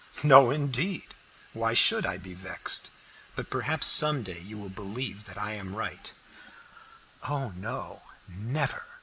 "No indeed! why should I be vexed? But perhaps some day you will believe that I am right." "Oh no, never!"